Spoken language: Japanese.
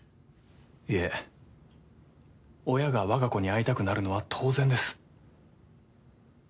いいえ親が我が子に会いたくなるのは当然です。